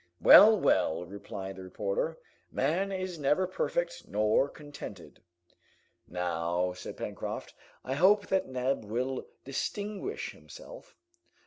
"Well, well," replied the reporter, "man is never perfect, nor contented." "Now," said Pencroft, "I hope that Neb will distinguish himself.